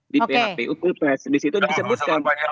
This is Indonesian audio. di phpu pilpres disitu disebutkan